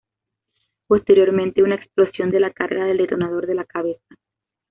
Posteriormente una explosión de la carga del detonador de la cabeza.